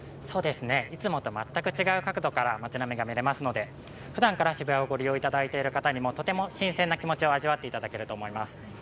いつもと全く違う角度から町並みを見ることができますので、ふだんから渋谷をご利用いただいてる方にも新鮮な気持ちを味わっていただけると思います。